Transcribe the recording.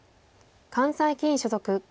関西棋院所属。